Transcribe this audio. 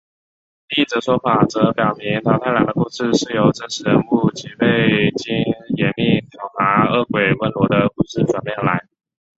另一则说法则表示桃太郎的故事是由真实人物吉备津彦命讨伐恶鬼温罗的故事转变而来。